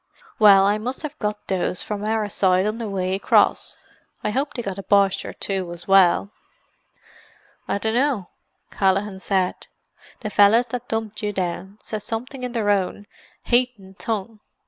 Well I must have got those from our side on the way across. I hope they got a Boche or two as well." "I dunno," Callaghan said. "The fellas that dumped you down said something in their own haythin tongue.